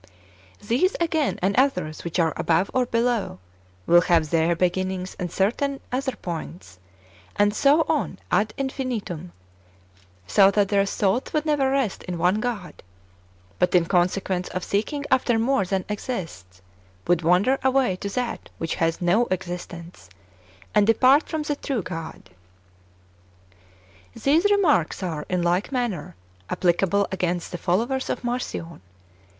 ] These, again, and others which are above and below, will have their beginnings at certain other points, and so on ad infinitum ; so that their thoughts would never rest in one God, but, in con sequence of seeking after more than exists, would wander away to that which has no existence, and depart from the true God. 4. These remarks are, in like manner, applicable against the followers of Marcion.